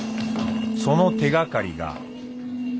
その手がかりが。